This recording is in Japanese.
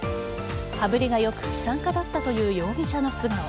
羽振りがよく資産家だったという容疑者の素顔。